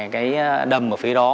cái đầm ở phía đó